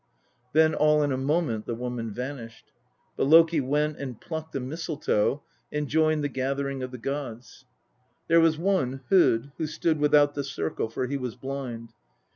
Then all in a moment the woman vanished. But Loki went and plucked the Mistletoe, and joined the gathering of the gods. There was one, Hod, who stood without the circle, for he was blind.